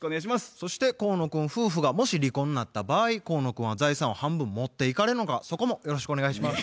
そして河野君夫婦がもし離婚なった場合河野君は財産を半分持っていかれるのかそこもよろしくお願いします。